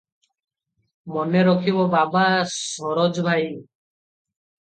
ମନେ ରଖିବ ବାବା ସରୋଜ ଭାଇ